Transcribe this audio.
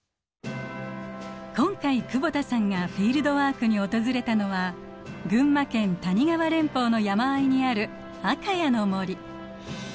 今回久保田さんがフィールドワークに訪れたのは群馬県谷川連峰の山あいにある赤谷の森。